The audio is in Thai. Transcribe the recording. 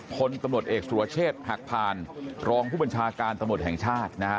พลตำรวจเอกสุรเชษฐ์หักผ่านรองผู้บัญชาการตำรวจแห่งชาตินะฮะ